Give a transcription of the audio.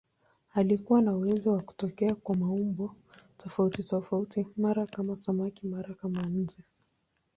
Alikuwa na uwezo wa kutokea kwa maumbo tofautitofauti, mara kama samaki, mara kama nzi.